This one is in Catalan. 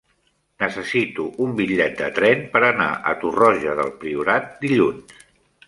Necessito un bitllet de tren per anar a Torroja del Priorat dilluns.